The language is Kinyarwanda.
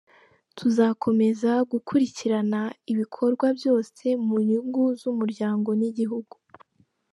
Tuzakomeza gukurikirana ibikorwa byose mu nyungu z’umuryango n’igihugu.